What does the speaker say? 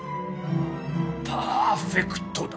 パーフェクトだ。